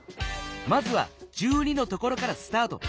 まずは１２のところからスタート。